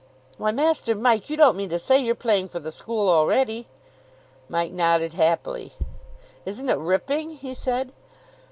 "Why, Master Mike, you don't mean to say you're playing for the school already?" Mike nodded happily. "Isn't it ripping," he said.